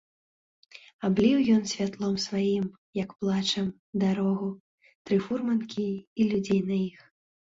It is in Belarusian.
Абліў ён святлом сваім, як плачам, дарогу, тры фурманкі і людзей на іх.